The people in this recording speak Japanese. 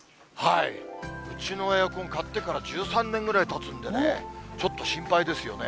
うちのエアコン、買ってから１３年ぐらいたつんでね、ちょっと心配ですよね。